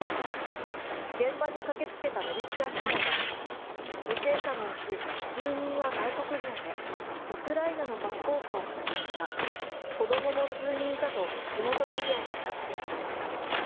現場に駆けつけたベネチア市長が犠牲者のうち数人は外国人でウクライナのパスポートを発見した子どもも数人いたと地元メディアに話しています。